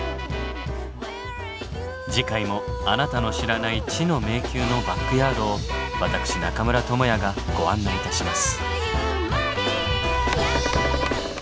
次回もあなたの知らない知の迷宮のバックヤードを私中村倫也がご案内いたします。